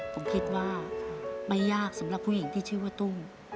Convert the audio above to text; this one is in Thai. ผมคิดว่าไม่ยากสำหรับผู้หญิงที่ชื่อว่าตุ้ม